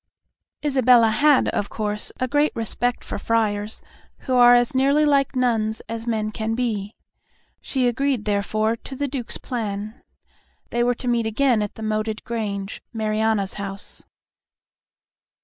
Isabella had, of course, a great respect for friars, who are as nearly like nuns as men can be. She agreed, therefore, to the Duke's plan. They were to meet again at the moated grange, Mariana's house.